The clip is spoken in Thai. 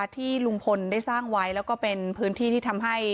ที่ลุงพลได้สร้างไว้แล้วก็เป็นพื้นที่ที่ทำให้